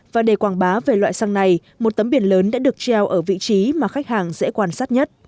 và để quảng bá về loại xăng này một tấm biển lớn đã được treo ở vị trí mà khách hàng dễ quan sát nhất